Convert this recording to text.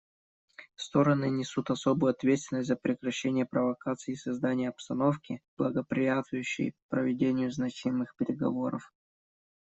Стороны несут особую ответственность за прекращение провокаций и создание обстановки, благоприятствующей проведению значимых переговоров.